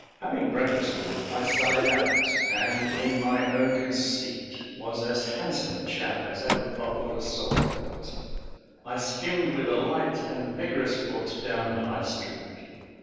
Having breakfasted, I sallied out, and, in my own conceit, was as handsome a chap as ever buckled a sword belt. I skimmed with a light and vigorous foot down High street.